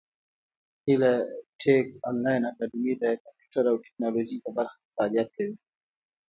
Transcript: هیله ټېک انلاین اکاډمي د کامپیوټر او ټبکنالوژۍ په برخه کې فعالیت کوي.